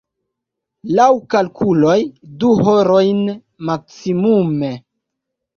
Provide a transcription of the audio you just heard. Laŭ kalkuloj, du horojn maksimume.